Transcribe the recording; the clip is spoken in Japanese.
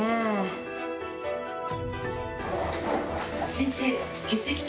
先生。